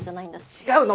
違うの！